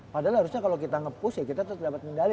padahal harusnya kalau kita nge push ya kita tetap dapat medali